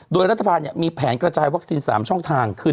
โดยรัฐบาลมีแผนกระจายวัคซีน๓ช่องทางคือ